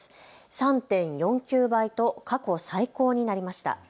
３．４９倍と過去最高になりました。